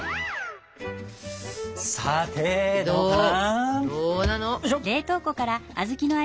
さてどうかな？